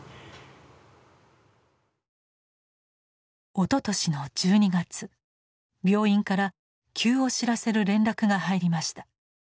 おととしの１２月病院から急を知らせる連絡が入りました。